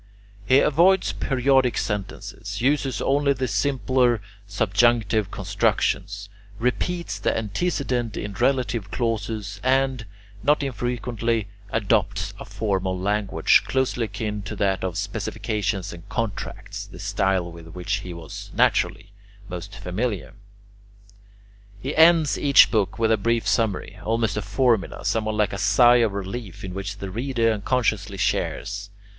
He avoids periodic sentences, uses only the simpler subjunctive constructions, repeats the antecedent in relative clauses, and, not infrequently, adopts a formal language closely akin to that of specifications and contracts, the style with which he was, naturally, most familiar. He ends each book with a brief summary, almost a formula, somewhat like a sigh of relief, in which the reader unconsciously shares.